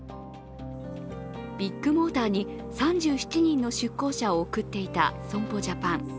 ビッグモーターに３７人の出向者を送っていた損保ジャパン。